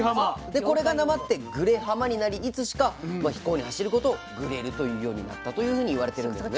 でこれがなまってぐれはまになりいつしか非行に走ることをグレるというようになったというふうに言われてるんですね。